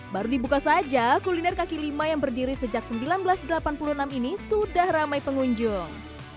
baru dibuka saja kuliner kaki lima yang berdiri sejak seribu sembilan ratus delapan puluh enam ini sudah ramai pengunjung